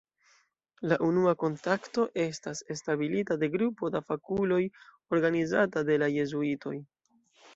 La unua kontakto estas establita de grupo da fakuloj organizata de la Jezuitoj.